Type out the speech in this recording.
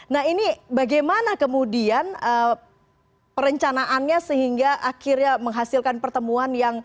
nah ini bagaimana kemudian perencanaannya sehingga akhirnya menghasilkan pertemuan yang